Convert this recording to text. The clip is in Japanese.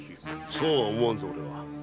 そうは思わんぞ俺は。